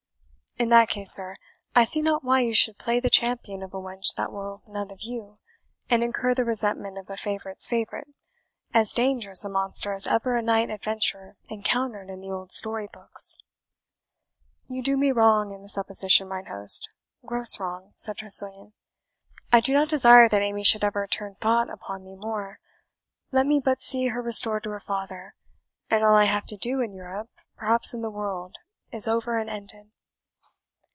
"In that case, sir, I see not why you should play the champion of a wench that will none of you, and incur the resentment of a favourite's favourite, as dangerous a monster as ever a knight adventurer encountered in the old story books." "You do me wrong in the supposition, mine host gross wrong," said Tressilian; "I do not desire that Amy should ever turn thought upon me more. Let me but see her restored to her father, and all I have to do in Europe perhaps in the world is over and ended."